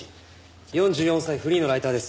４４歳フリーのライターです。